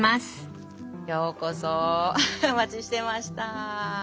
ようこそお待ちしてました。